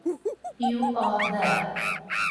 You are there.